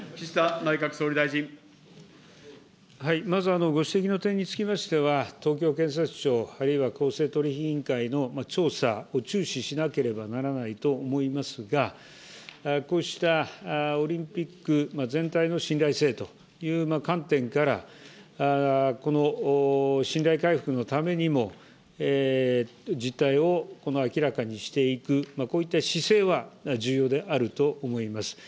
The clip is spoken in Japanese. まずご指摘の点につきましては、東京検察庁、あるいは公正取引委員会の調査を注視しなければならないと思いますが、こうしたオリンピック全体の信頼性という観点から、この信頼回復のためにも、実態を明らかにしていく、こういった姿勢は重要であると思います。